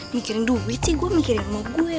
mikirin duit sih gue mikirin mau gue